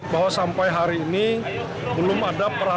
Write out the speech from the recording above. bahwa sampai hari ini belum ada peraturan